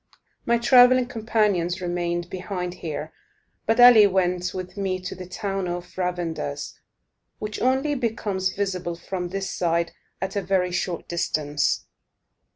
My travelling companions remained behind here; but Ali went with me to the town of Ravandus, which only becomes visible from this side at a very short distance.